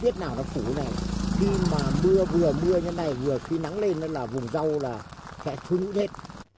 tuyết nào nó phủ này khi mà mưa vừa mưa như thế này vừa khi nắng lên là vùng rau là sẽ trúng hết